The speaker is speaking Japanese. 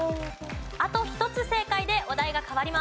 あと１つ正解でお題が変わります。